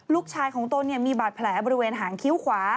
ลูกชายของตนมีบาดแผลบริเวณหางคิ้วขวา